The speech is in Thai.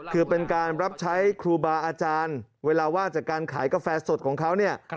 คือเป็นการรับใช้ครูบาอาจารย์เวลาว่างจากการขายกาแฟสดของเขาเนี่ย